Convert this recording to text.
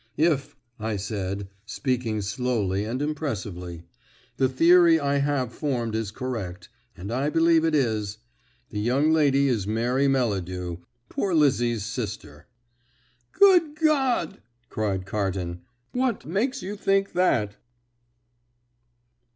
"If," I said, speaking slowly and impressively, "the theory I have formed is correct and I believe it is the young lady is Mary Melladew, poor Lizzie's sister." "Good God!" cried Carton. "What makes you think that?"